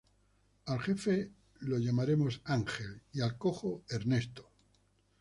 Al jefe lo llamaremos Ángel, y al cojo Ernesto.